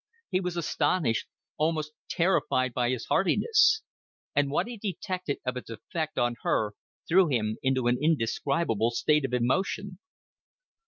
He was astonished, almost terrified by his hardiness; and what he detected of its effect on her threw him into an indescribable state of emotion.